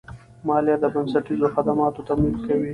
مالیه د بنسټیزو خدماتو تمویل کوي.